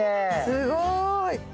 すごい。